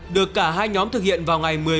được cả hai nhóm thực hiện vào ngày